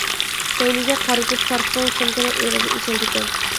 كەينىگە قارىتىپ تارتسىڭىز سومكىنىڭ ئېغىزى ئېچىلىدىكەن.